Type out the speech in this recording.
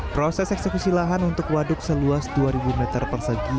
proses eksekusi lahan untuk waduk seluas dua ribu meter persegi